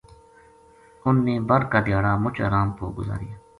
انھ نے بر کا دھیاڑا مُچ آرام پو گُزاریا